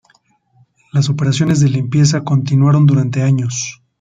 Las operaciones de limpieza continuaron durante años.